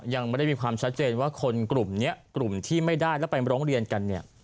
ยังไม่ได้มีความชัดเจนว่าคนกลุ่มนี้กลุ่มที่ไม่ได้แล้วไปร้องเรียนกันเนี่ย